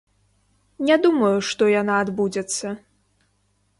Не думаю, што яна адбудзецца.